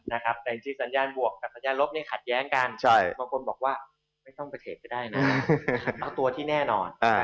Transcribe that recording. ในชีวิตการสัญญาณบวกกับสัญญาณลบคัดแย้งกันบางคนบอกว่าไม่ต้องไปเทปต์ได้แล้วตัวสุดแน่นอน